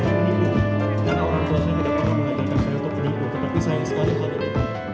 menunjukkan saya untuk menikmati seperti saya sekali kali